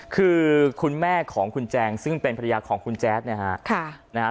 คือคุณแม่ของคุณแจงซึ่งเป็นภรรยาของคุณแจ๊ดนะฮะ